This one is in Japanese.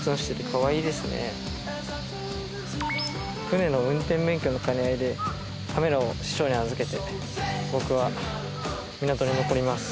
船の運転免許の兼ね合いでカメラを師匠に預けて僕は港に残ります